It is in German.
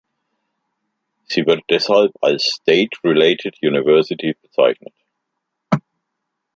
Sie wird deshalb als "state-related University" bezeichnet.